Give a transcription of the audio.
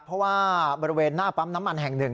เพราะว่าบริเวณหน้าปั๊มน้ำมันแห่งหนึ่ง